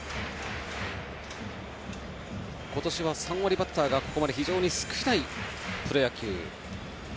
今年は３割バッターがここまで非常に少ないプロ野球。